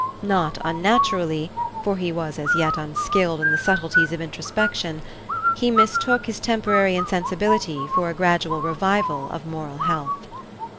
Not unnaturally for he was as yet unskilled in the subtleties of introspection he mistook his temporary insensibility for a gradual revival of moral health.